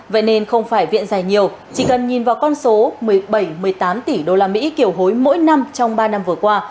vậy nên không phải viện dài nhiều chỉ cần nhìn vào con số một mươi bảy một mươi tám tỷ đô la mỹ kiểu hối mỗi năm trong ba năm vừa qua